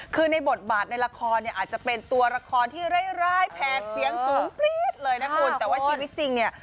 คือในบทบาทในละครเนี่ยอาจจะเป็นตัวละครที่ร้ายร้ายแผกเสียงสูงปรี๊ดเลยนะคุณแต่ว่าชีวิตจริงเนี่ย